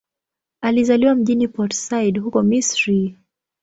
Alizaliwa mjini Port Said, huko Misri.